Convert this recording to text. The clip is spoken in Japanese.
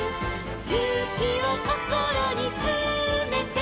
「ゆうきをこころにつめて」